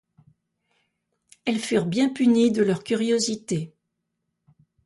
Elles furent bien punies de leur curiosité.